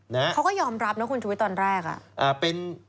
เขาก็ยอมรับนะคุณชุวิตตอนแรกอ่ะ